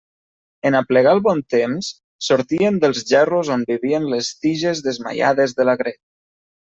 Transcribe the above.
En aplegar el bon temps, sortien dels gerros on vivien les tiges desmaiades de l'agret.